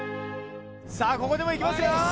さぁここでもいきますよ！